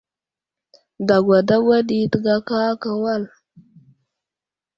Dagwa dagwa ɗi təgaka aka wal.